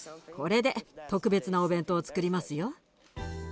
これで特別なお弁当をつくりますよ。